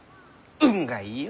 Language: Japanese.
運がいいよ！